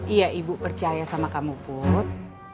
iya ibu percaya sama kamu pun